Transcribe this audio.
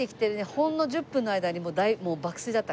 ほんの１０分の間にもう爆睡だったから。